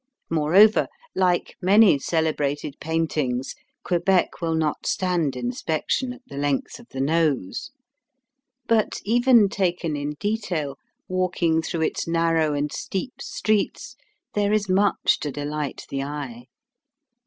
Moreover, like many celebrated paintings, Quebec will not stand inspection at the length of the nose. But even taken in detail, walking through its narrow and steep streets, there is much to delight the eye.